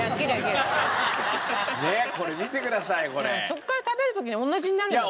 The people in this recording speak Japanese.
そこから食べる時に同じになるんだから。